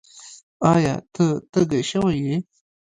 ایا؛ ته تږی شوی یې؟